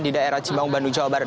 di daerah cibang bandung jawa barat